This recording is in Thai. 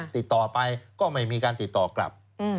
ติดต่อไปก็ไม่มีการติดต่อกลับ